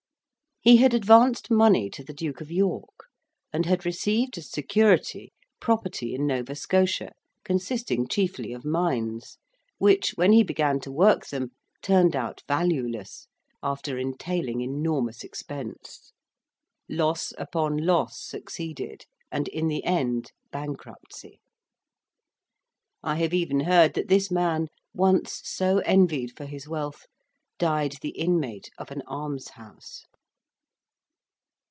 He had advanced money to the Duke of York, and had received as security property in Nova Scotia, consisting chiefly of mines, which, when he began to work them, turned out valueless, after entailing enormous expense. Loss upon loss succeeded, and in the end bankruptcy. I have even heard that this man, once so envied for his wealth, died the inmate of an almshouse.